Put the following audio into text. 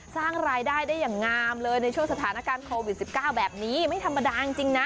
สร้างรายได้ได้อย่างงามเลยในช่วงสถานการณ์โควิด๑๙แบบนี้ไม่ธรรมดาจริงนะ